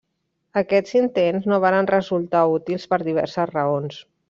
Aquests intents no varen resultar útils per diverses raons.